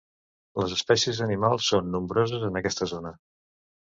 Les espècies animals són nombroses en aquesta zona.